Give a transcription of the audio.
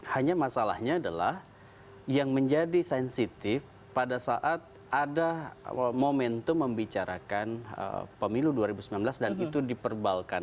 hanya masalahnya adalah yang menjadi sensitif pada saat ada momentum membicarakan pemilu dua ribu sembilan belas dan itu diperbalkan